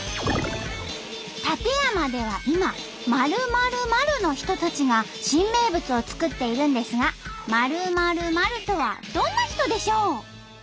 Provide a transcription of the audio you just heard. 館山では今○○○の人たちが新名物を作っているんですが○○○とはどんな人でしょう？